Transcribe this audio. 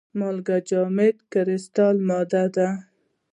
مالګه جامده کرستلي ماده ده.